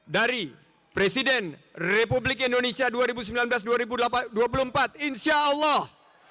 dari presiden republik indonesia dua ribu sembilan belas dua ribu dua puluh empat insya allah